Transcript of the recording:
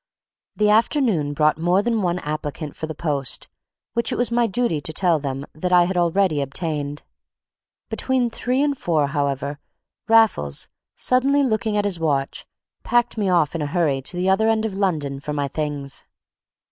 The afternoon brought more than one applicant for the post which it was my duty to tell them that I had already obtained. Between three and four, however, Raffles, suddenly looking at his watch, packed me off in a hurry to the other end of London for my things.